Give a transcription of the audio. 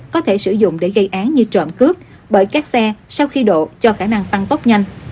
có thể sử dụng để gây án như trộm cướp bởi các xe sau khi độ cho khả năng tăng tốc nhanh